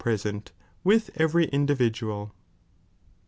j^ present with every individual